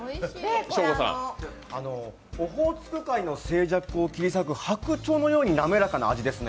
オホーツク海の静寂を切り裂く白鳥のように、滑かな味ですね。